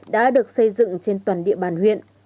đã được xây dựng trên toàn địa bàn huyện